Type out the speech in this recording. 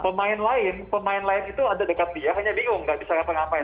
pemain lain pemain lain itu ada dekat dia hanya bingung nggak bisa ngapa ngapain